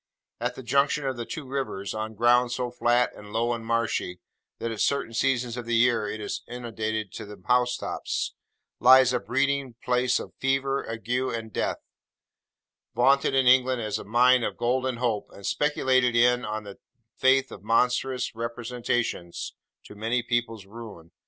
At the junction of the two rivers, on ground so flat and low and marshy, that at certain seasons of the year it is inundated to the house tops, lies a breeding place of fever, ague, and death; vaunted in England as a mine of Golden Hope, and speculated in, on the faith of monstrous representations, to many people's ruin.